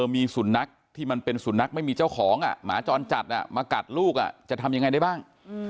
มีสุนัขที่มันเป็นสุนัขไม่มีเจ้าของหมาจรจัดมากัดลูกจะทำยังไงได้บ้าง